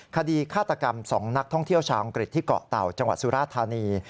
คดีฆาตกรรม๒นักท่องเที่ยวชาวอังกฤษที่เกาะเต่าจังหวัดสุราธานี